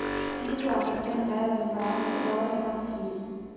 È situato al piano terra del Palazzo Doria-Pamphilij.